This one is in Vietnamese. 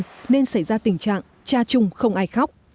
trong tình trạng cha chung không ai khóc